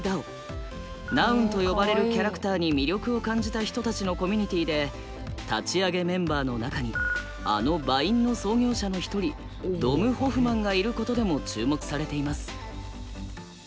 Ｎｏｕｎと呼ばれるキャラクターに魅力を感じた人たちのコミュニティで立ち上げメンバーの中にあのＶｉｎｅの創業者の一人ドム・ホフマンがいることでも注目されています。